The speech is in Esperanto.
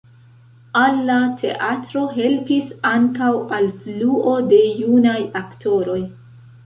Al la teatro helpis ankaŭ alfluo de junaj aktoroj.